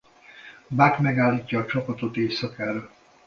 Buck megállítja a csapatot éjszakára.